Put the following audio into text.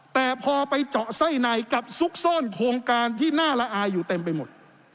แต่พอไปเจาะไส้ในกับซุกซ่อนโครงการที่น่าละอายอยู่เต็มไปหมด